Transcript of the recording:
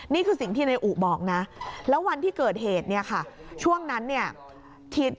นี่คือสิ่งที่นายอุบอกนะแล้ววันที่เกิดเหตุเนี่ยค่ะช่วงนั้นเนี่ย